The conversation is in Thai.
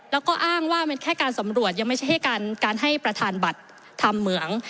แล้วก็อ้างว่ามันแค่การสำรวจยังไม่ใช่แค่การให้ประธานบัตรทำเหมือง